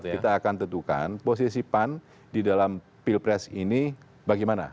kita akan tentukan posisi pan di dalam pilpres ini bagaimana